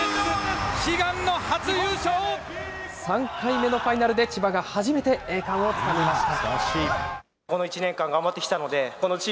３回目のファイナルで、千葉が初めて栄冠をつかみました。